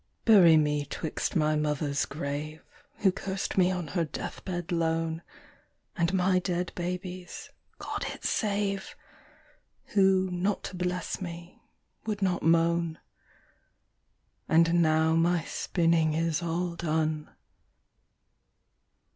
Bury me 'twixt my mother's grave, (Who cursed me on her death bed lone) And my dead baby's (God it save!) Who, not to bless me, would not moan. And now my spinning is all done.